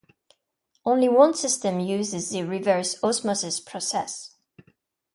Only one system uses the reverse osmosis process.